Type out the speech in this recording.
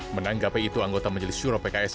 menanggapi itu anggota majelis syuro pks